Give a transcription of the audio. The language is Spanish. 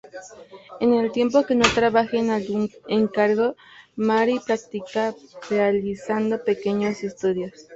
En el tiempo que no trabaja en algún encargo, Mary practicaba realizando pequeños estudios.